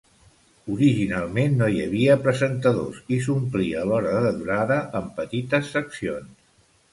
Originalment no hi havia presentadors i s'omplia l'hora de durada amb petites seccions.